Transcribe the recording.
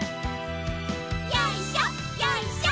よいしょよいしょ。